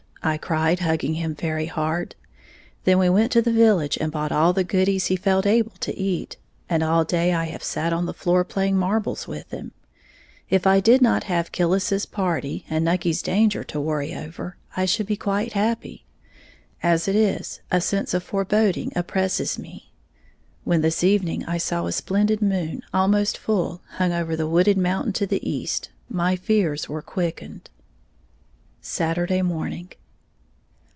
I cried, hugging him very hard. Then we went to the village and bought all the goodies he felt able to eat; and all day I have sat on the floor playing marbles with him. If I did not have Killis's party, and Nucky's danger to worry over, I should be quite happy. As it is, a sense of foreboding oppresses me. When this evening I saw a splendid moon, almost full, hang over the wooded mountain to the East, my fears were quickened. _Saturday Morning.